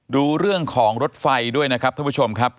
ดูเรื่องของรถไฟด้วยนะครับท่านผู้ชมครับ